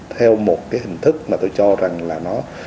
theo một cái hình thức mà tôi cho rằng là nó